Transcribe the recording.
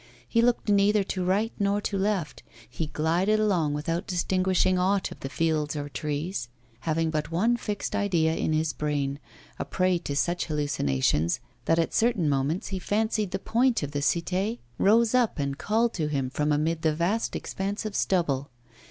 He looked neither to right nor to left, he glided along without distinguishing aught of the fields or trees, having but one fixed idea in his brain, a prey to such hallucinations that at certain moments he fancied the point of the Cité rose up and called to him from amid the vast expanse of stubble.